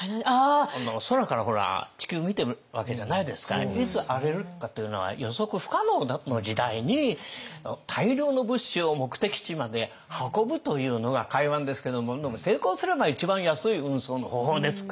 空からほら地球見てるわけじゃないですからいつ荒れるとかっていうのは予測不可能の時代に大量の物資を目的地まで運ぶというのが海運ですけど成功すれば一番安い運送の方法ですからね。